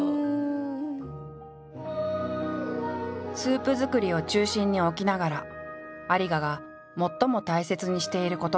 スープ作りを中心に置きながら有賀が最も大切にしていることがある。